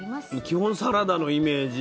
基本サラダのイメージ？